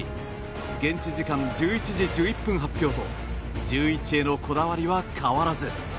現地時間１１時１１分発表と１１へのこだわりは変わらず。